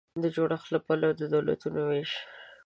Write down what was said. د جوړښت له پلوه د دولتونو وېش